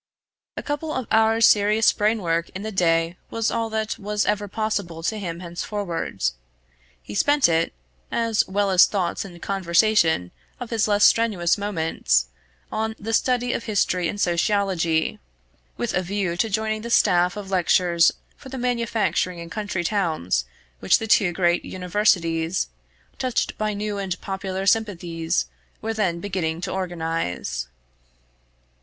A couple of hours' serious brainwork in the day was all that was ever possible to him henceforward. He spent it, as well as the thoughts and conversation of his less strenuous moments, on the study of history and sociology, with a view to joining the staff of lecturers for the manufacturing and country towns which the two great Universities, touched by new and popular sympathies, were then beginning to organise.